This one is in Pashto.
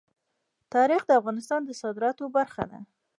تاریخ د افغانستان د صادراتو برخه ده.